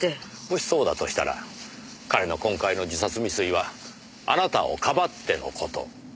もしそうだとしたら彼の今回の自殺未遂はあなたをかばってのこと。